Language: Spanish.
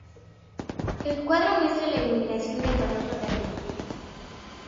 El cuadro muestra la iluminación del Barroco tardío.